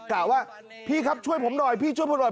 กล่าวว่าพี่ครับช่วยผมหน่อยพี่ช่วยผมหน่อย